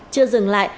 chưa dừng lại